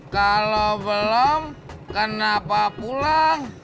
kalau belum kenapa pulang